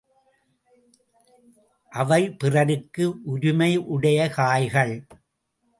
அவை பிறருக்கு உரிமையுடைய காய்கள்!